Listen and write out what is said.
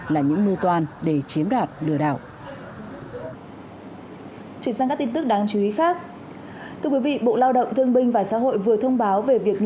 là những mưu toàn để chiếm đạt lừa đảo